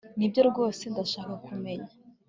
nibyo rwose ndashaka kumenya